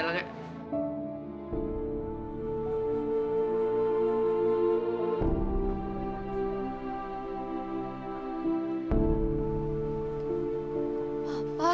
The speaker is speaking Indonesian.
terima kasih rane